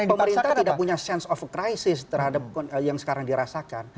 jadi pemerintah tidak punya sense of crisis terhadap yang sekarang dirasakan